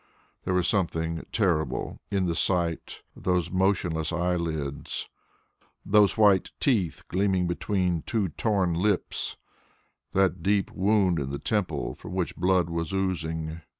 There was something terrible in the sight of those motionless eyelids, those white teeth gleaming between two torn lips, that deep wound in the temple from which blood was oozing.